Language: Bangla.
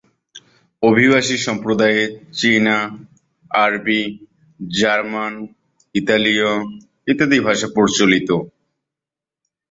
অভিবাসী সম্প্রদায়ে চীনা, আরবি, জার্মান, ইতালীয়, ইত্যাদি ভাষা প্রচলিত।